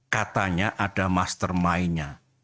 katanya ada mastermindnya